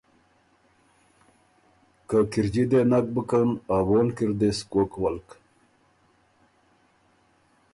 که کِرݫی دې نک بُکن ا وونلک اِر دې سو کوک ولک،